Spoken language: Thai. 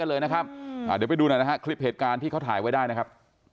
เดี๋ยวไปดูหน่อยนะฮะคลิปเหตุการณ์ที่เขาถ่ายไว้ได้นะครับ